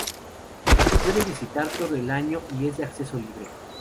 Se puede visitar todo el año y es de acceso libre.